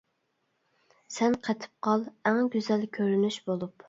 سەن قېتىپ قال ئەڭ گۈزەل كۆرۈنۈش بولۇپ!